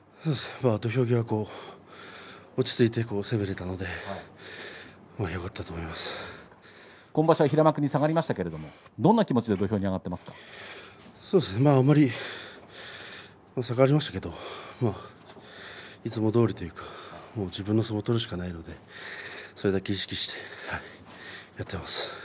土俵際、落ち着いて攻めることができたので今場所は平幕に下がりましたけどどんな気持ちであまり下がりましたけどいつもどおりというか自分の相撲を取るしかないのでそれだけ意識してやっています。